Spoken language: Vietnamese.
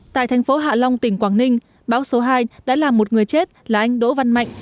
tại thành phố hạ long tỉnh quảng ninh báo số hai đã làm một người chết là anh đỗ văn mạnh